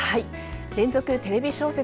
連続テレビ小説